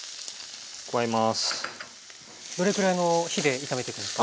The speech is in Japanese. どれくらいの火で炒めていくんですか？